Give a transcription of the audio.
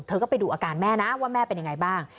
ก็ไปดูอาการแม่นะว่าแม่เป็นยังไงบ้าง